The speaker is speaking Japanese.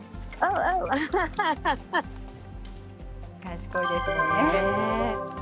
賢いですね。